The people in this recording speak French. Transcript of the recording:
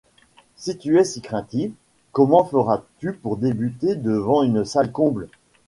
Si tu es si craintive, comment feras-tu pour débuter devant une salle comble ?